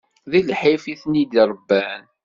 D lḥif i ten-i-d-irebban.